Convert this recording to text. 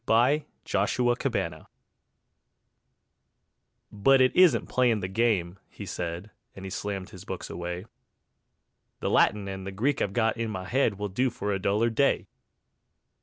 War! The Fool "But it isn't playing the game," he said, And he slammed his books away; "The Latin and Greek I've got in my head Will do for a duller day."